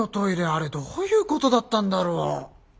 あれどういうことだったんだろう？